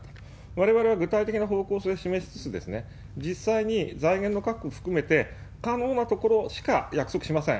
われわれは具体的な方向性を示して、実際に財源の確保含めて、可能なところしか約束しません。